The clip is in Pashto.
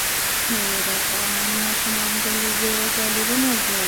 مېوې د افغان ماشومانو د لوبو یوه جالبه موضوع ده.